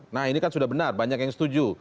nah ini kan sudah benar banyak yang setuju